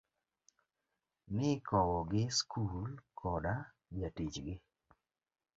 Nikowo gi skul koda jatich gi.